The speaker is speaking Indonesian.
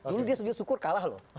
dulu dia syukur kalah loh